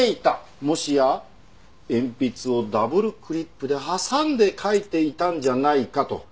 もしや鉛筆をダブルクリップで挟んで書いていたんじゃないかと。